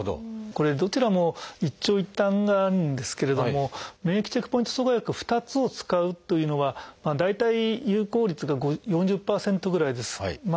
これどちらも一長一短があるんですけれども免疫チェックポイント阻害薬２つを使うというのは大体有効率が４０％ぐらいです。